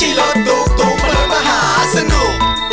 สีสันมันดูน่าสนุก